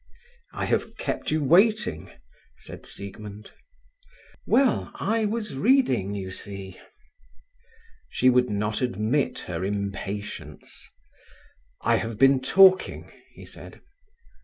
"I have kept you waiting," said Siegmund. "Well, I was reading, you see." She would not admit her impatience. "I have been talking," he said.